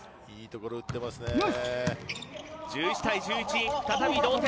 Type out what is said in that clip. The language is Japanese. いいところに打っていますね。